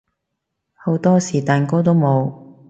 好多時蛋糕都冇